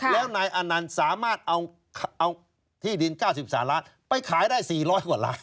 แล้วนายอนันต์สามารถเอาที่ดิน๙๓ล้านไปขายได้๔๐๐กว่าล้าน